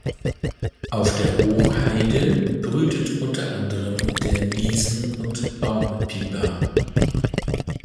Auf der Hochheide brütet unter anderem der Wiesen- und Baumpieper.